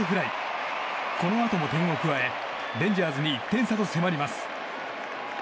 更に、このあとも点を加えレンジャーズに１点差と迫ります。